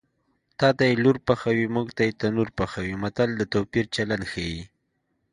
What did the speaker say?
تاته یې لور پخوي موږ ته یې تنور پخوي متل د توپیر چلند ښيي